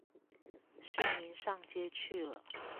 市民上街去了